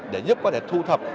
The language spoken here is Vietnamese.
để giúp có thể thu thập